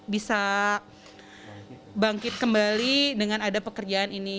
bisa bangkit kembali dengan ada pekerjaan ini